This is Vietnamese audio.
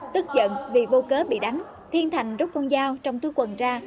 tức giận vì vô cớ bị đánh thiên thành rút con dao trong túi quần ra